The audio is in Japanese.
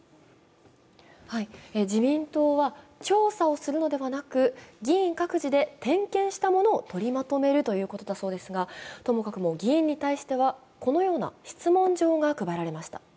自民党は調査をするのではなく、議員各自で点検したものを取りまとめるということだそうですが、ともかく議員に対してはこのような質問状が配られました。